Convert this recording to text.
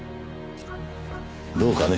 どうかね？